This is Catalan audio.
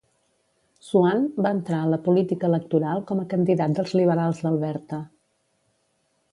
Swann va entrar a la política electoral com a candidat dels liberals d'Alberta.